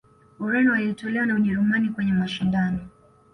ureno walitolewa na ujerumani kwenye mashindano